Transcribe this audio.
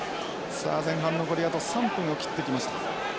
さあ前半残りあと３分を切ってきました。